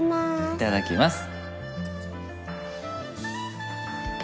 いただきます。